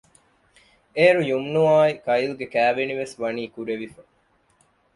އޭރު ޔުމްނުއާއި ކައިލްގެ ކާވެނިވެސް ވަނީ ކުރެވިފަ